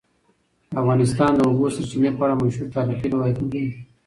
افغانستان د د اوبو سرچینې په اړه مشهور تاریخی روایتونه لري.